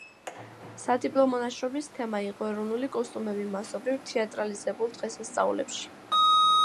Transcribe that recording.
სადიპლომო ნაშრომის თემა იყო „ეროვნული კოსტუმები მასობრივ თეატრალიზებულ დღესასწაულებში“.